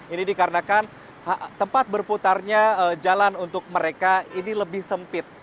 ini dikarenakan tempat berputarnya jalan untuk mereka ini lebih sempit